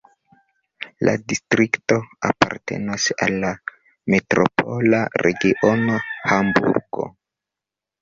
La distrikto apartenas al la metropola regiono Hamburgo.